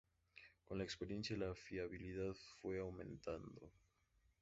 Con la experiencia la fiabilidad fue aumentando.